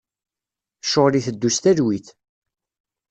Ccɣel iteddu s talwit.